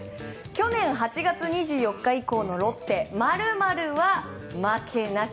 去年８月２４日以降のロッテ○○は負けなし。